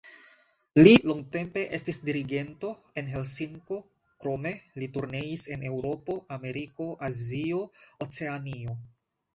Li longtempe estis dirigento en Helsinko, krome li turneis en Eŭropo, Ameriko, Azio, Oceanio.